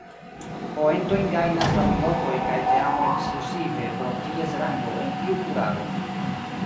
Poentojn gajnas la pilotoj kaj teamoj ekskluzive pro ties rango en iu kurado.